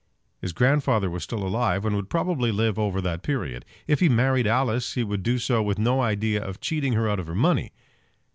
His grandfather was still alive, and would probably live over that period. If he married Alice he would do so with no idea of cheating her out of her money.